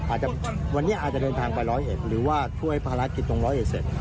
อาจจะวันนี้อาจจะเดินทางไปร้อยเอ็ดหรือว่าช่วยภารกิจตรงร้อยเอ็ดเสร็จ